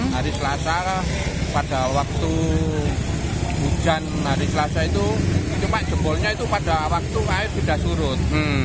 hari selasa pada waktu hujan hari selasa itu cuma jempolnya itu pada waktu air sudah surut